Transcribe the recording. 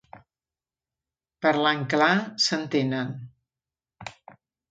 Parlant clar, s'entenen.